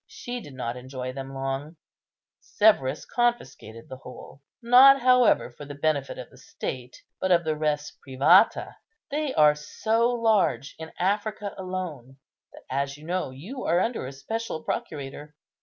she did not enjoy them long; Severus confiscated the whole, not, however, for the benefit of the state, but of the res privata. They are so large in Africa alone, that, as you know, you are under a special procurator.